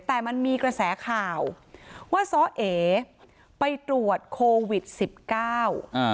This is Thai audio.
แต่มันมีกระแสข่าวว่าซ้อเอไปตรวจโควิดสิบเก้าอ่า